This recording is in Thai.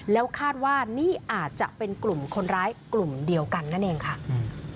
แล้วคาดว่านี่อาจจะเป็นกลุ่มคนร้ายกลุ่มเดียวกันนั่นเองค่ะอืม